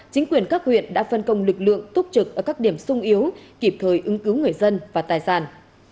chính quyền các huyện đã phân công lực lượng túc trực ở các điểm sung yếu kịp thời ứng cứu người dân và tài sản